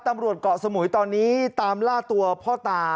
ตำรวจเกาะสมุยตอนนี้ตามล่าตัวพ่อตา